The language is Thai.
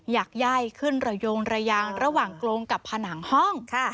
อยากไย่ขึ้นระยงระยางระหว่างกรงกับผนังห้อง